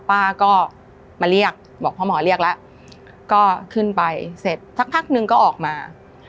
ป้าก็มาเรียกบอกพ่อหมอเรียกแล้วก็ขึ้นไปเสร็จสักพักหนึ่งก็ออกมา